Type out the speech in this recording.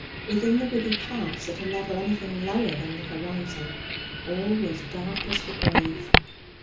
Within the woody pass, at a level anything lower than the horizon, all was dark as the grave.